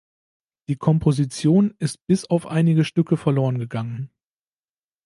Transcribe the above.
Die Komposition ist bis auf einige Stücke verloren gegangen.